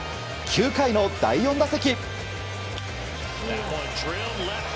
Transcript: ９回の第４打席。